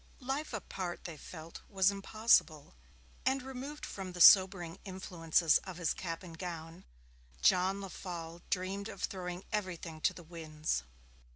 Life apart, they felt, was impossible, and, removed from the sobering influences of his cap and gown, John Lefolle dreamed of throwing everything to the winds.